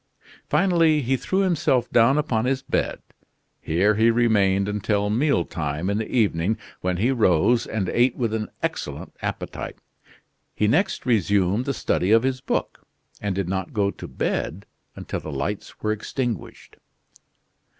Finally, he threw himself down upon his bed. Here he remained until meal time in the evening, when he rose and ate with an excellent appetite. He next resumed the study of his book, and did not go to bed until the lights were extinguished.